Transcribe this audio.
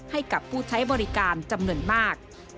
ให้กับผู้ใช้บริการจำนวนมาก